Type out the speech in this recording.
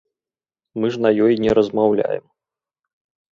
Мы ж на ёй не размаўляем.